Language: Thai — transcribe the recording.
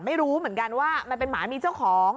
ไม่รู้เหมือนกันว่ามันเป็นหมามีเจ้าของ